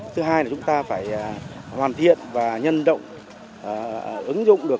thứ hai là chúng ta phải hoàn thiện và nhân động ứng dụng được